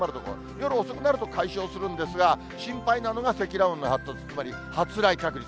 夜遅くなると解消するんですが、心配なのが積乱雲の発達、つまり発雷確率。